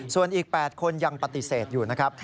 ส่วนอีก๘คนยังปฏิเสธอยู่นะครับ